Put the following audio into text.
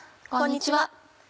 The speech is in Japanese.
こんにちは。